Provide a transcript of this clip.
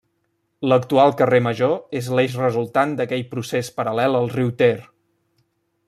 L'actual carrer Major és l’eix resultant d'aquell procés paral·lel al riu Ter.